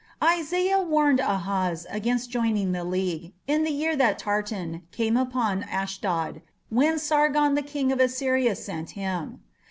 " Isaiah warned Ahaz against joining the league, "in the year that Tartan came unto Ashdod (when Sargon the king of Assyria sent him)".